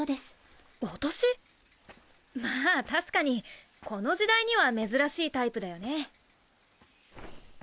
まあ確かにこの時代には珍しいタイプだよね。